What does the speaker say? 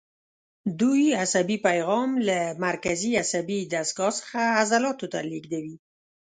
دوی عصبي پیغام له مرکزي عصبي دستګاه څخه عضلاتو ته لېږدوي.